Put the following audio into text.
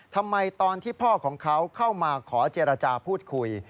ทำไมตอนที่พ่อของเขาเข้ามาขอเจรจาพูดคุย